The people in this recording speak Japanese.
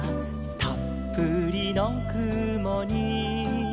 「たっぷりのくもに」